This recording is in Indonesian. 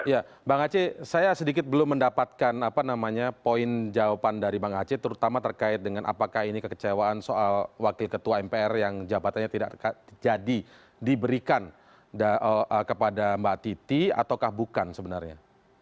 ya bang aceh saya sedikit belum mendapatkan apa namanya poin jawaban dari bang aceh terutama terkait dengan apakah ini kekecewaan soal wakil ketua mpr yang jabatannya tidak jadi diberikan kepada mbak titi ataukah bukan sebenarnya